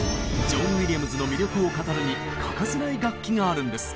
ジョン・ウィリアムズの魅力を語るに欠かせない楽器があるんです！